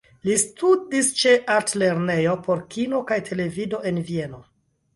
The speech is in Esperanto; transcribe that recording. Li studis ĉe la Altlernejo por Kino kaj Televido en Vieno.